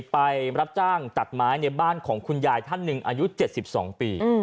ไปรับจ้างตัดไม้ในบ้านของคุณยายท่านหนึ่งอายุ๗๒ปี